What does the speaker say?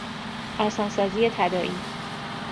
آسانسازی تداعی